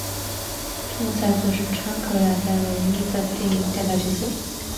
片桐彩子是川口雅代唯一的配音代表角色。